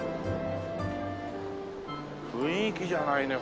雰囲気じゃないの。